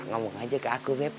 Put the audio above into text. ngomong aja ke aku